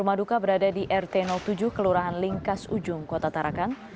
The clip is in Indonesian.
rumah duka berada di rt tujuh kelurahan lingkas ujung kota tarakan